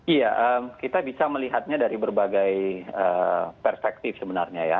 iya kita bisa melihatnya dari berbagai perspektif sebenarnya ya